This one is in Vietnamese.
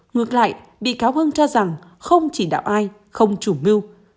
ngược lại bị cáo hưng cho rằng không chỉ đạo ai không chủ mưu